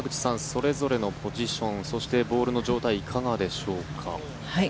それぞれのポジションそして、ボールの状態いかがでしょうか。